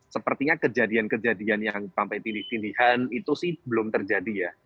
sepertinya kejadian kejadian yang sampai tindih tindihan itu sih belum terjadi ya